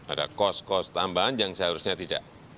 ada kos kos tambahan yang seharusnya tidak